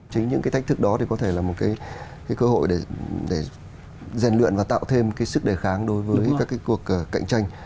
chính những cái thách thức đó thì có thể là một cái cơ hội để rèn luyện và tạo thêm cái sức đề kháng đối với các cái cuộc cạnh tranh